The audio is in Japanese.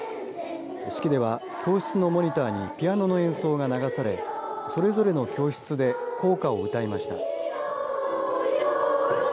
式では教室のモニターにピアノの演奏が流されそれぞれの教室で校歌を歌いました。